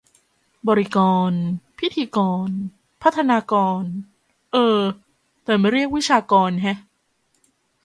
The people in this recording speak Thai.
บริกร พิธีกร พัฒนากร เออ แต่ไม่เรียก วิชากร แฮะ